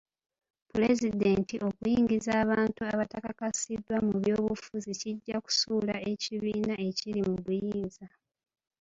Pulezidenti okuyingiza abantu abatakakasiddwa mu by'obufuzi kijja kusuula ekibiina ekiri mu buyinza.